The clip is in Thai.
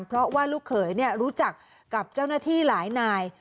เพราะว่าลูกเขยรู้จักกับเจ้าหน้าที่หลายนาย